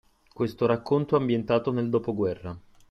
Questo racconto è ambientato nel dopoguerra